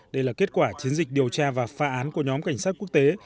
đây là kết quả chiến dịch điều tra và phá án của nhóm cảnh sát quốc tế